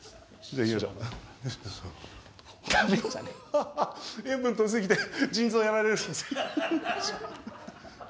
はっは塩分とりすぎて腎臓やられる。